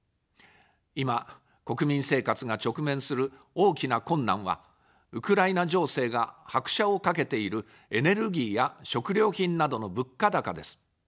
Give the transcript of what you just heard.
今、国民生活が直面する大きな困難は、ウクライナ情勢が拍車をかけているエネルギーや食料品などの物価高です。